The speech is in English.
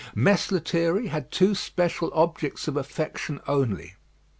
Mess Lethierry had two special objects of affection only.